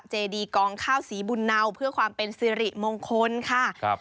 เจดีกองข้าวสีบุญเนาเพื่อความเป็นสิริมงคลค่ะครับ